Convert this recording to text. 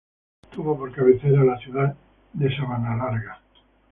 Tuvo por cabecera a la ciudad de Sabanalarga.